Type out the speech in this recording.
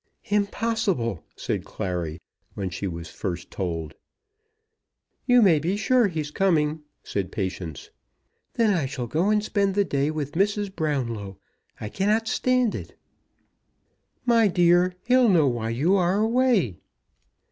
"Impossible!" said Clary, when she was first told. "You may be sure he's coming," said Patience. "Then I shall go and spend the day with Mrs. Brownlow. I cannot stand it." "My dear, he'll know why you are away."